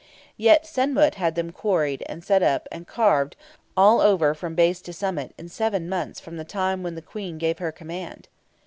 Yet Sen mut had them quarried, and set up, and carved all over from base to summit in seven months from the time when the Queen gave her command!